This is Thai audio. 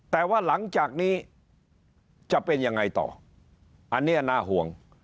แต่ว่าหลังจากนี้จะเป็นยังไงต่ออันนี้น่าห่วง